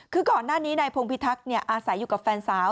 คือก่อนหน้านี้นายพงพิทักษ์อาศัยอยู่กับแฟนสาว